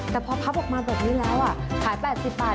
แต่พอพับออกมาแบบนี้แล้วขาย๘๐บาท